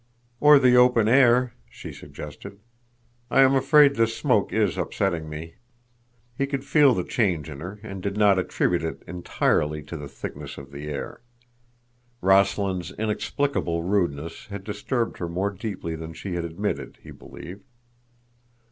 "Or the open air," she suggested. "I am afraid this smoke is upsetting me." He could feel the change in her and did not attribute it entirely to the thickness of the air. Rossland's inexplicable rudeness had disturbed her more deeply than she had admitted, he believed.